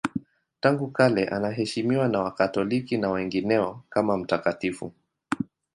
Tangu kale anaheshimiwa na Wakatoliki na wengineo kama mtakatifu.